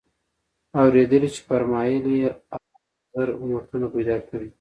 اورېدلي چي فرمايل ئې: الله زر امتونه پيدا كړي